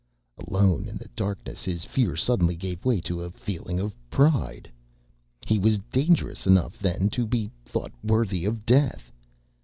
Alone in the darkness, his fear suddenly gave way to a feeling of pride. He was dangerous enough, then, to be thought worthy of death?